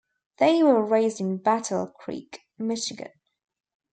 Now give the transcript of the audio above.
They were raised in Battle Creek, Michigan.